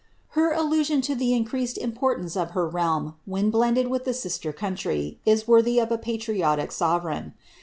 Her allusion to the increased import apce of her reaim, when blended with the sifter country, is worthy of a patriotic sorereign.